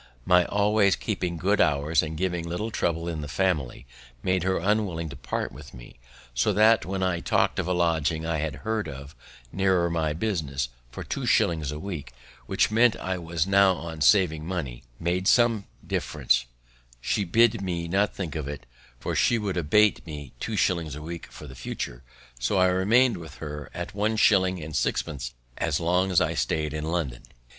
My always keeping good hours, and giving little trouble in the family, made her unwilling to part with me, so that, when I talk'd of a lodging I had heard of, nearer my business, for two shillings a week, which, intent as I now was on saving money, made some difference, she bid me not think of it, for she would abate me two shillings a week for the future; so I remained with her at one shilling and sixpence as long as I staid in London.